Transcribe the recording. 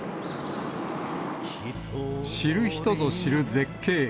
知る人ぞ知る絶景。